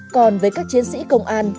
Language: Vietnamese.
còn với các chiến sĩ công an